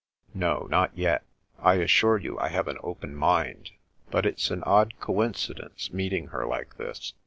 " No, not yet. I assure you I have an open mind. But it's an odd coincidence meeting her like this.